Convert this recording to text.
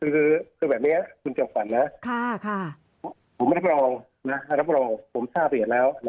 คือแบบนี้คุณจังฝันนะผมรับรองนะรับรองผมทราบเห็นแล้วนะ